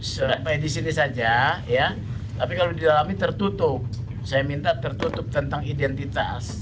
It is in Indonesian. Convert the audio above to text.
seret medis ini saja ya tapi kalau di dalam tertutup saya minta tertutup tentang identitas